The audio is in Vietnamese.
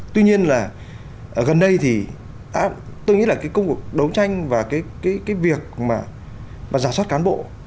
tuy nhiên là gần đây thì tôi nghĩ là cái công cuộc đấu tranh và cái việc mà giả soát cán bộ